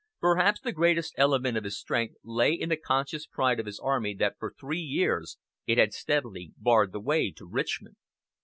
Perhaps the greatest element of his strength lay in the conscious pride of his army that for three years it had steadily barred the way to Richmond.